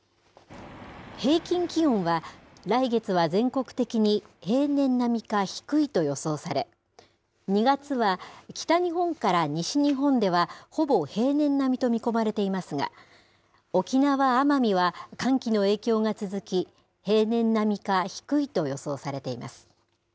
平均気温は、来月は全国的に平年並みか低いと予想され、２月は、北日本から西日本ではほぼ平年並みと見込まれていますが、沖縄・奄美は寒気の影響が続き、平年並みか低いと予想されています。